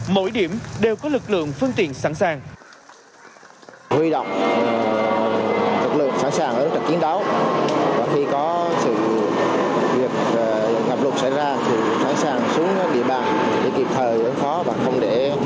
mỗi điểm đều có lực lượng phương tiện sẵn sàng